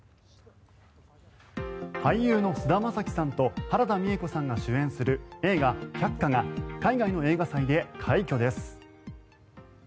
俳優の菅田将暉さんと原田美枝子さんが主演する映画「百花」が海外の映画祭で快挙です。